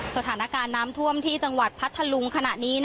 สถานการณ์น้ำท่วมที่จังหวัดพัทธลุงขณะนี้